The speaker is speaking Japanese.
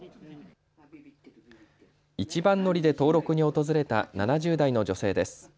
一番乗りで登録に訪れた７０代の女性です。